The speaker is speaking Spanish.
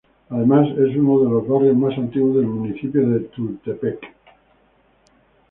Además es una de los Barrios mas Antiguos del Municipio de Tultepec.